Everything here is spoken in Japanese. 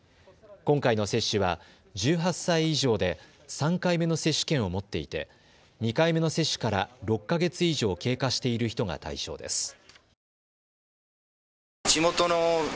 今回の接種は１８歳以上で３回目の接種券を持っていて２回目の接種から６か月以上経過している人が対象です。